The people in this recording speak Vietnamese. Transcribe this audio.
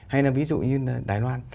hay là ví dụ như đài loan